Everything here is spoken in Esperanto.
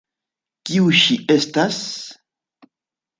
Kiu ŝi estas?